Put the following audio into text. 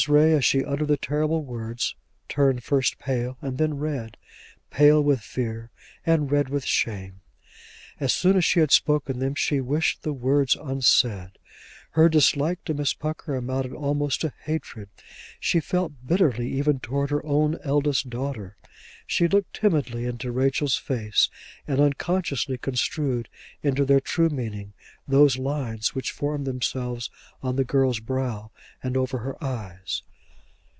Ray as she uttered the terrible words turned first pale and then red, pale with fear and red with shame. As soon as she had spoken them she wished the words unsaid. Her dislike to Miss Pucker amounted almost to hatred. She felt bitterly even towards her own eldest daughter. She looked timidly into Rachel's face and unconsciously construed into their true meaning those lines which formed themselves on the girl's brow and over her eyes.